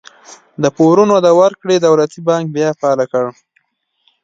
د پورونو د ورکړې دولتي بانک بیا فعال کړ.